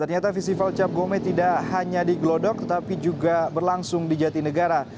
ternyata festival cap gome tidak hanya di glodok tetapi juga berlangsung di jatinegara